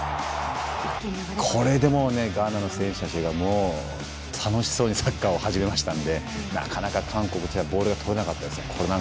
これでもうガーナの選手たちが楽しそうにサッカーを始めましたんでなかなか、韓国はボールがとれなかったですよね。